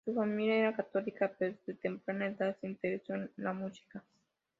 Su familia era católica, pero desde temprana edad se interesó en la música.